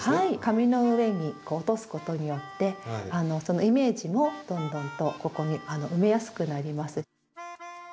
紙の上に落とすことによってイメージもどんどんとここに埋めやすくなります。